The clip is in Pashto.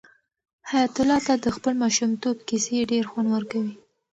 حیات الله ته د خپل ماشومتوب کیسې ډېر خوند ورکوي.